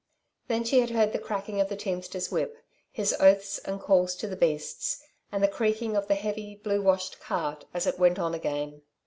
Then she had heard the cracking of the teamster's whip, his oaths and calls to the beasts, and the creaking of the heavy, blue washed cart as it went on again.